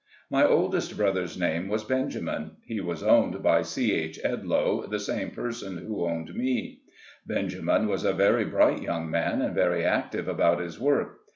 My oldest brother's name was Benjamin. He was 12 SLAVE CABIN TO PULPIT. owned by C. H. Edloe, the same person who owned me. Benjamin was a very bright young man, and very active about his work.